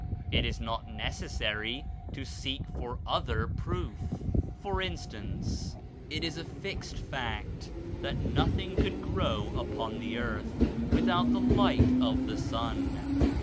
It is not neces sary to seek for other proof. For instance it is a fixed fact that nothing could grow upon the earth without the light of the sun.